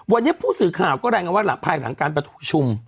วันนี้ผู้สื่อข่าวก็รายงานว่าภายหลังการประชุม